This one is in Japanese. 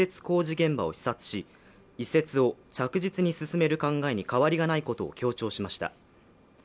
工事現場を視察し移設を着実に進める考えに変わりがないことを強調しました。